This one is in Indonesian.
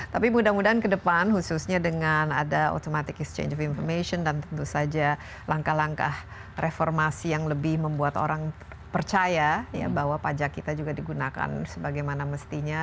tapi mudah mudahan ke depan khususnya dengan ada automatic exchange of information dan tentu saja langkah langkah reformasi yang lebih membuat orang percaya bahwa pajak kita juga digunakan sebagaimana mestinya